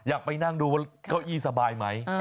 อยากไปนั่งดูเก้าอี้สบายไหม